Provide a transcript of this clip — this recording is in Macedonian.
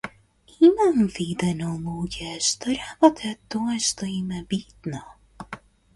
Имам видено луѓе што работат тоа што им е битно.